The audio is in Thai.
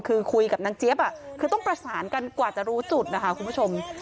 คือคุยกับนางเจี๊ยบคือต้องประสานกันกว่าจะรู้จุดนะคะคุณผู้ชม